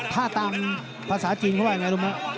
ท่าตามภาษาจีนเข้าไปมีอารมณ์ว่า